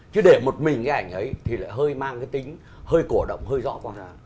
chứ để một mình cái ảnh ấy thì lại hơi mang cái tính hơi cổ động hơi rõ quang